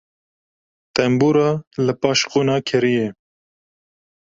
Tembûra li paş qûna kerê ye.